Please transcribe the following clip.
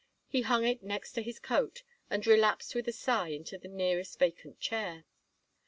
He hung it next to his coat and relapsed with a sigh into the nearest vacant chair.